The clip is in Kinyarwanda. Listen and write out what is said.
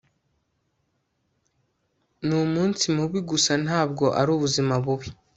ni umunsi mubi gusa ntabwo ari ubuzima bubi